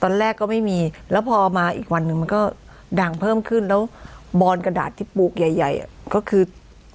ตอนแรกก็ไม่มีแล้วพอมาอีกวันหนึ่งมันก็ดังเพิ่มขึ้นแล้วบอนกระดาษที่ปลูกใหญ่ใหญ่ก็คือ